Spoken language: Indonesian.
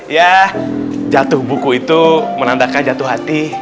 ya jatuh buku itu menandakan jatuh hati